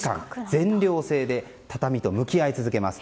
全寮制で畳と向き合い続けます。